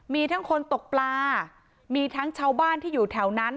มีทั้งคนตกปลามีทั้งชาวบ้านที่อยู่แถวนั้น